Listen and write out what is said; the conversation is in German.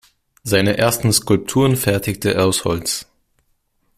Seine ersten Skulpturen fertigte er aus Holz.